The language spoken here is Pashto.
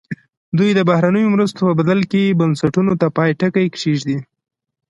دوی د بهرنیو مرستو په بدل کې بنسټونو ته پای ټکی کېږدي.